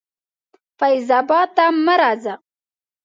فیض آباد ته مه راځه.